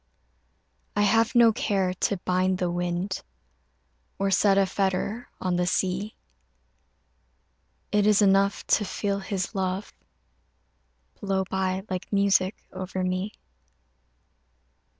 I have no care to bind the wind Or set a fetter on the sea It is enough to feel his love Blow by like music over me.